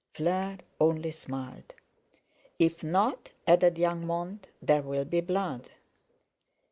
Fleur only smiled. "If not," added young Mont, "there'll be blood."